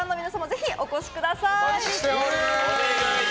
ぜひお越しください！